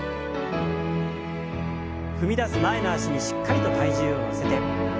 踏み出す前の脚にしっかりと体重を乗せて。